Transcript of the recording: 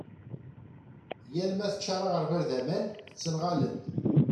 yal ma teččar aγerbal d aman ttenγalen-d